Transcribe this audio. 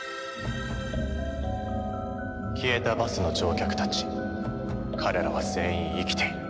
消えたバスの乗客たち彼らは全員生きている。